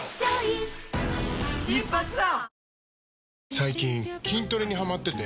最近筋トレにハマってて。